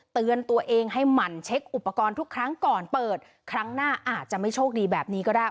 เตือนตัวเองให้หมั่นเช็คอุปกรณ์ทุกครั้งก่อนเปิดครั้งหน้าอาจจะไม่โชคดีแบบนี้ก็ได้